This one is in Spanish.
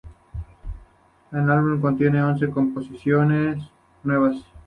El álbum contiene once composiciones nuevas.